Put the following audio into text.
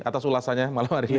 atas ulasannya malam hari ini